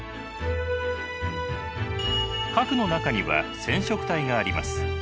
核の中には染色体があります。